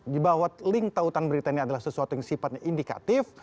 di bawah link tautan berita ini adalah sesuatu yang sifatnya indikatif